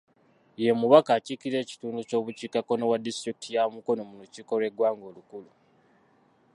Ye mubaka akiikirira ekitundu ky'obukiikakkono bwa disitulikiti ya Mukono mu lukiiko lw'eggwanga olukulu